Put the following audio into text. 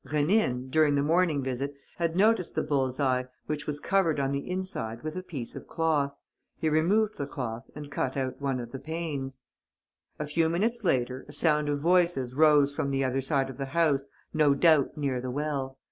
Rénine, during the morning visit, had noticed the bull's eye, which was covered on the inside with a piece of cloth. He removed the cloth and cut out one of the panes. A few minutes later, a sound of voices rose from the other side of the house, no doubt near the well.